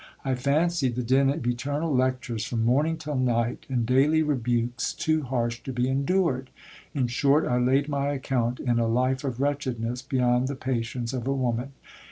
I fancied the din of eternal lectures from morning till night, and daily rebukes too harsh to be endured. In short, I laid my account in a life of wretchedness, beyond the patience of a woman.